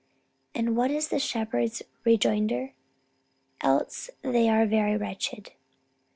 And what is the shepherd's rejoinder? 'Else are they very wretched.'